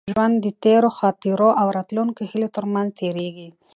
ژوند د تېرو خاطرو او راتلونکو هیلو تر منځ تېرېږي.